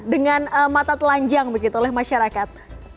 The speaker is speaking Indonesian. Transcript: dengan mata telanjang begitu oleh masyarakat